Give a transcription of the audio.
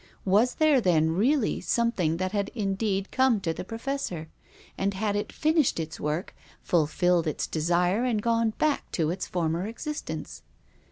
Was there then really something that had in deed come to the Professor? And had it finished its work, fulfilled its desire and gone back to its former existence